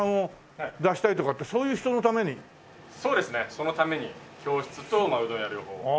そのために教室とうどん屋両方。